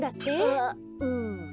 あっうん。